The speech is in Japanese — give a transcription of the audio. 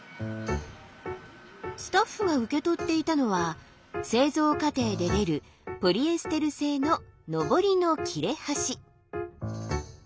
スタッフが受け取っていたのは製造過程で出るポリエステル製ののぼりの切れ端。